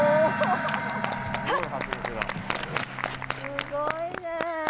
すごいね。